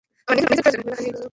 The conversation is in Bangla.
বেলা বহিয়া গেল– বিনয় আসিল না।